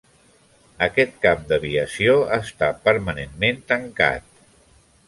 Aquest camp d'aviació està permanentment tancat.